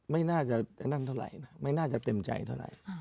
ไม่น่าจะนั่นเท่าไหร่นะไม่น่าจะเต็มใจเท่าไหร่